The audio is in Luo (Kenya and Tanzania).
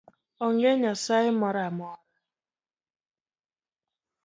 Onge nyasaye moro amora.